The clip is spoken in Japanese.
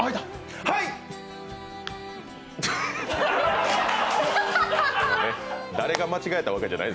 はい！